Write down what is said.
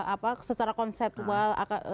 apa secara konsepual